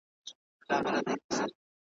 د خپل زاړه معلم ابلیس مخي ته `